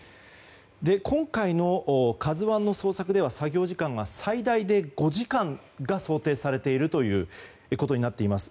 今回の「ＫＡＺＵ１」の捜索では作業時間が最大で５時間が想定されているということになっています。